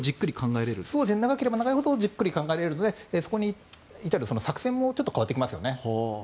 長ければ長いほどじっくり考えられるのでそこに至る作戦も変わってきますよね。